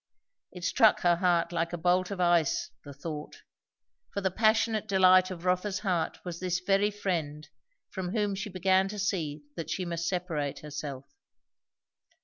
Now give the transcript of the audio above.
It struck her heart like a bolt of ice, the thought; for the passionate delight of Rotha's heart was this very friend, from whom she began to see that she must separate herself.